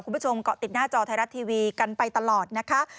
คุณผู้ชมเกาะติดหน้าจอไทยรัฐทีวีกันไปตลอดนะคะ